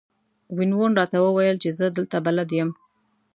وین وون راته وویل چې زه دلته بلد یم.